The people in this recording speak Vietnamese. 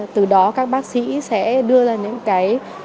từ đó các bác sĩ sẽ đưa ra những cái